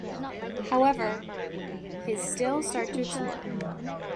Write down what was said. However, his stills start to explode.